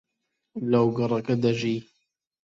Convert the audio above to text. لەو گەڕەکە دەژی.